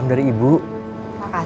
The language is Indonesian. kenapa tidak bisa